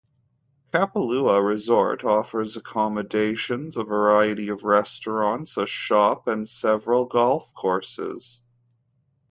Kapalua Resort offers accommodations, a variety of restaurants, a shop, and several golf courses.